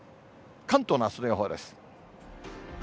関東のあすの予報です。